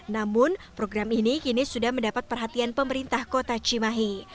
namun program ini kini sudah mendapat perhatian pemerintah kota cimahi